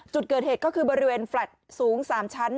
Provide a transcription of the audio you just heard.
จุดเกิดเหตุก็คือบริเวณแฟลต์สูง๓ชั้น